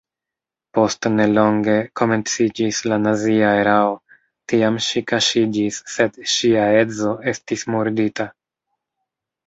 Post nelonge komenciĝis la nazia erao, tiam ŝi kaŝiĝis sed ŝia edzo estis murdita.